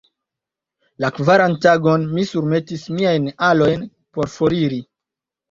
La kvaran tagon, mi surmetis miajn alojn por foriri.